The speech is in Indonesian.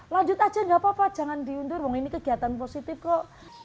lanjut saja tidak apa apa jangan diundur ini kegiatan positif kok